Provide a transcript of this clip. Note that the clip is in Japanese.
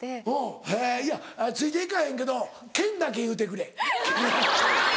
へぇいやついて行かへんけど県だけ言うてくれ。